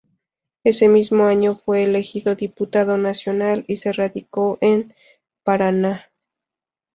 Ese mismo año fue elegido diputado nacional y se radicó en Paraná.